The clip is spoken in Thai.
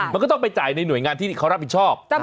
มันก็ต้องไปจ่ายในหน่วยงานที่เขารับผิดชอบ